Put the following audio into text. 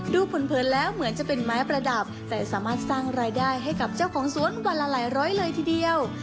เผินแล้วเหมือนจะเป็นไม้ประดับแต่สามารถสร้างรายได้ให้กับเจ้าของสวนกว่าละหลายร้อยเลยทีเดียว